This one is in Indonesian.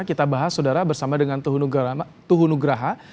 kita bahas saudara bersama dengan tuhunugraha